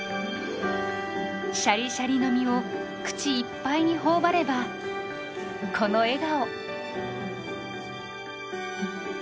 シャリシャリの実を口いっぱいに頬張ればこの笑顔。